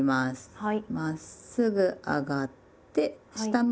はい。